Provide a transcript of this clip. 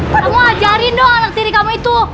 kamu ajarin dong anak tiri kamu itu